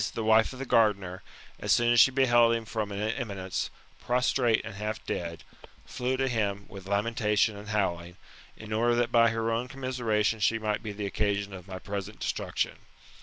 the wife of the gardener, as soon as she beheld him from an eminence, prostrate and half dead, flew to him, with lamentation and howling, in order that by her own commiseration she might be the occasion of my present destruction.